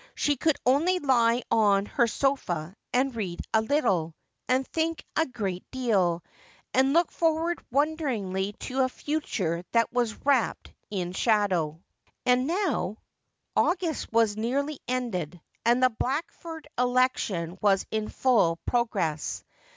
She • could only lie on her sofa and read a little, and think a great deal, and look forward wonderingly to a future that was wrapped in shadow. And now August was nearly ended, and the Blackford election was in full progress.